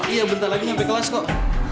iya bentar lagi sampai kelas kok